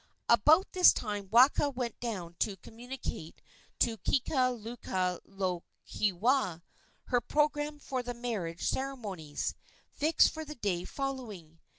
About this time Waka went down to communicate to Kekalukaluokewa her programme for the marriage ceremonies, fixed for the day following.